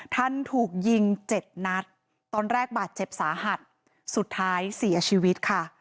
ท่านถูกยิงเจ็ดนัดตอนแรกบาดเจ็บสาหัสสุดท้ายเสียชีวิตค่ะ